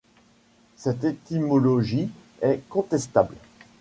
Cette étymologie est contestable.